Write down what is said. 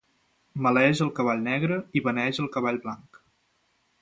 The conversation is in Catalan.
Maleeix el cavall negre i beneeix el cavall blanc.